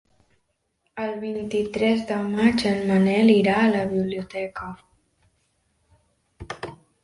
El vint-i-tres de maig en Manel irà a la biblioteca.